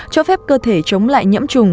cho phép cơ thể chống lại nhẫm trùng